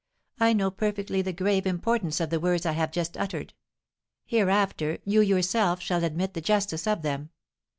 I know perfectly the grave importance of the words I have just uttered: hereafter you yourself shall admit the justice of them.